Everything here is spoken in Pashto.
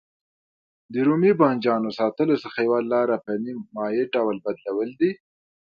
د رومي بانجانو ساتلو څخه یوه لاره په نیم مایع ډول بدلول دي.